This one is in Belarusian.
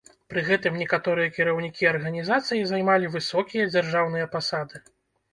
Пры гэтым некаторыя кіраўнікі арганізацыі займалі высокія дзяржаўныя пасады.